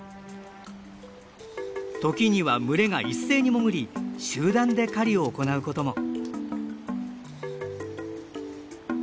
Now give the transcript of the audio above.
時には群れが一斉に潜り集団で狩りを行うことも。